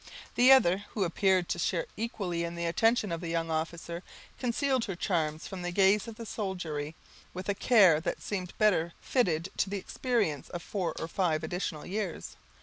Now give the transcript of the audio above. The other, who appeared to share equally in the attention of the young officer, concealed her charms from the gaze of the soldiery with a care that seemed better fitted to the experience of four or five additional years.